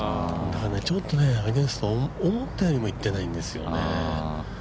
ちょっとアゲンスト、思ったよりもいってないんですよね。